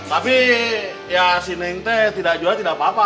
tapi ya si neng teh tidak juara tidak apa apa